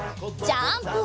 ジャンプ！